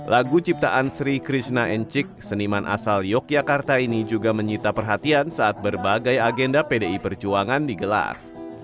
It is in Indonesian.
lagu ciptaan sri krishna encik seniman asal yogyakarta ini juga menyita perhatian saat berbagai agenda pdi perjuangan digelar